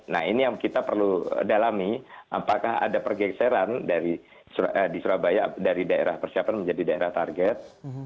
nah ini yang kita perlu dalami apakah ada pergeseran di surabaya dari daerah persiapan menjadi daerah target